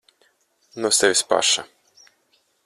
No sevis paša.